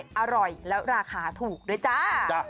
อร่อยแล้วราคาถูกด้วยจ้า